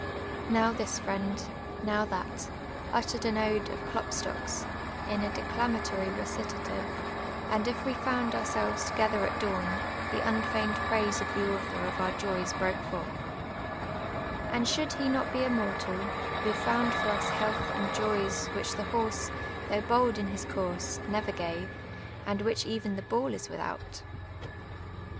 Now this friend, now that, uttered an ode of Klopstoek's, in a decla matory recitative; and if we foimd ourselves together at dawn, tlie unfeigned praise of the author of our joys broke forth :—" And should he not l)e immortal, Who finind for us health and jo\ s Which the liorsc, thuucrh hold in his course, never gave. And which even the ball id wilhuul!"